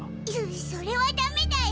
それはダメだよ。